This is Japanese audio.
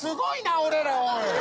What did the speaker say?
俺らおい。